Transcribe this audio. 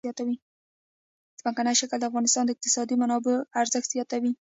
ځمکنی شکل د افغانستان د اقتصادي منابعو ارزښت زیاتوي.